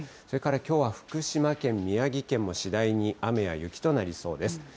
それからきょうは福島県、宮城県も次第に雨や雪となりそうです。